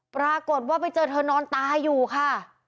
ปรากฏว่าไปเจอเธอนอนตายอยู่ค่ะ